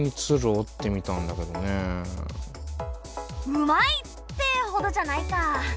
うまい！ってほどじゃないか。